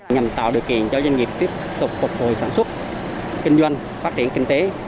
nhằm tạo điều kiện cho doanh nghiệp tiếp tục phục hồi sản xuất kinh doanh phát triển kinh tế